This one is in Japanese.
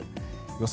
予想